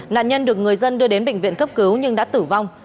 nạn nhân được người dân đưa đến bệnh viện cấp cứu nhưng đã tử vong